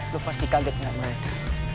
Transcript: lu pasti kaget kena mereka